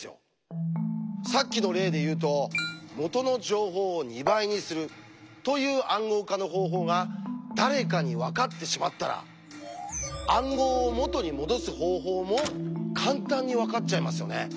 さっきの例で言うと「元の情報を２倍にする」という暗号化の方法が誰かにわかってしまったら暗号を「元にもどす方法」も簡単にわかっちゃいますよね。